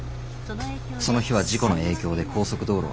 その日は事故の影響で高速道路は渋滞。